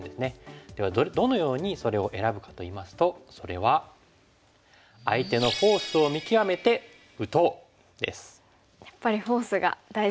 ではどのようにそれを選ぶかといいますとそれはやっぱりフォースが大事になってきますね。